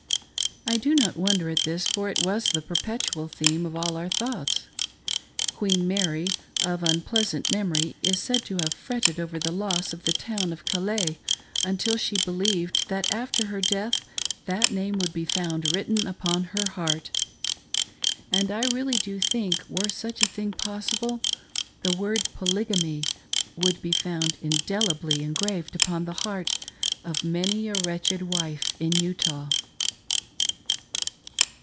I do not wonder at this for it was the perpetual theme of all our thoughts. Queen Mary, of un* pleasant memory, is said to have fretted over the loss of the town of Calais until she believed that after her death that name would be found written upon her heart ; and I really do think, were such a thing possible, the word ' Polygamy' would be found indelibly engraved upon the heart of many a wretched wife in Utah.